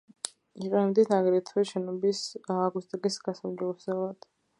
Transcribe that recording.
იყენებენ აგრეთვე შენობის აკუსტიკის გასაუმჯობესებლად.